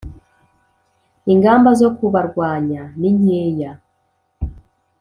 ingamba zo kubarwanya ninkeya.